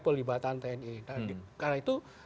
pelibatan tni karena itu